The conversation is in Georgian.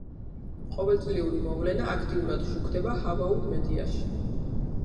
ყოველწლიური მოვლენა აქტიურად შუქდება ჰავაურ მედიაში.